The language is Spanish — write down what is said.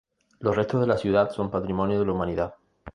Los restos de la ciudad son Patrimonio de la Humanidad.